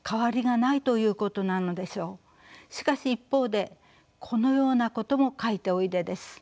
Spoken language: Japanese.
しかし一方でこのようなことも書いておいでです。